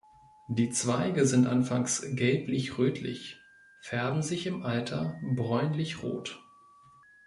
Die Zweige sind anfangs gelblich-rötlich, färben sich im Alter bräunlich-rot.